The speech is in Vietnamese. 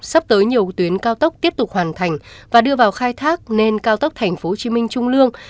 sắp tới nhiều tuyến cao tốc tiếp tục hoàn thành và đưa vào khai thác nên cao tốc tp hcm trung lương